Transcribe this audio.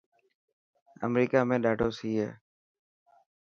امريڪا ۾ڏاڌو سي هي.